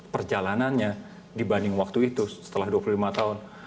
perjalanannya dibanding waktu itu setelah dua puluh lima tahun